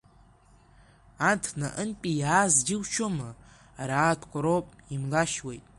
Анҭ наҟынтәи иааз џьушьома, араатәқәа роуп, имлашьуеит…